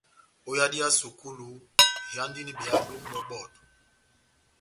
Ó yadi ya sukulu, ihándini behado mʼbɔbɔtɔ.